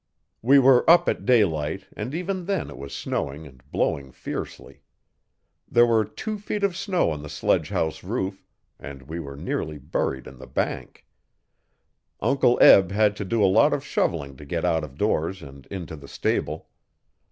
We were up at daylight, and even then it was snowing and blowing fiercely. There were two feet of snow on the sledgehouse roof, and we were nearly buried in the bank. Uncle Eb had to do a lot of shoveling to get out of doors and into the stable.